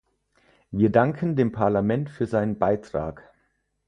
Wir danken dem Parlament für seinen Beitrag.